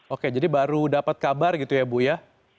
oke jadi baru dapat kabar gitu ya bu ya